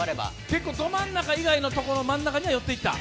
結構ど真ん中のところ以外、真ん中には寄っていった？